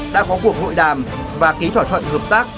đã có cuộc hội đàm và ký thỏa thuận hợp tác